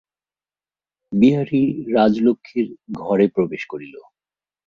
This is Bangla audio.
বিহারী রাজলক্ষ্মীর ঘরে প্রবেশ করিল।